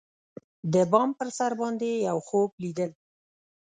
د بام پر سر باندی یوخوب لیدل